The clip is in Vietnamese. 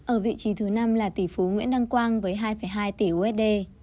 ở vị trí thứ năm là tỷ phú nguyễn đăng quang với hai hai tỷ usd